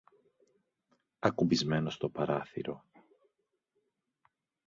ακουμπισμένο στο παράθυρο